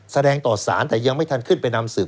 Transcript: แสดงต่อสารแต่ยังไม่ทันขึ้นไปนำสืบ